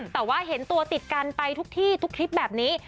แต่ว่าเห็นตัวติดกันไปทุกที่ทุกคลิปแบบนี้